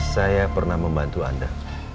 saya pernah membantu anda